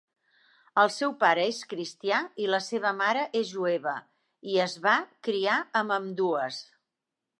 El seu pare és cristià i la seva mare és jueva, i es va "criar amb ambdues".